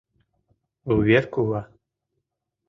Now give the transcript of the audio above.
ВУВЕРКУВА